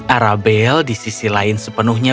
arabelle di sisi lainnya